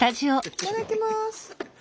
いただきます。